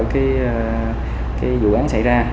cái vụ án xảy ra